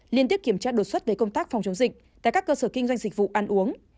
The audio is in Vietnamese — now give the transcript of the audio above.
liên tiếp kiểm tra đột xuất về công tác phòng chống dịch tại các cơ sở kinh doanh dịch vụ ăn uống